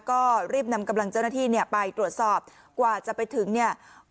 ก็รีบนำกำลังเจ้าหน้าที่เนี่ยไปตรวจสอบกว่าจะไปถึงเนี่ย